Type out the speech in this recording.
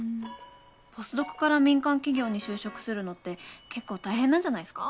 ポスドクから民間企業に就職するのって結構大変なんじゃないっすか？